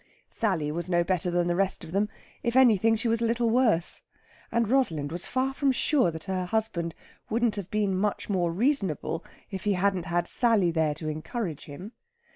Sally was no better than the rest of them; if anything, she was a little worse. And Rosalind was far from sure that her husband wouldn't have been much more reasonable if he hadn't had Sally there to encourage him.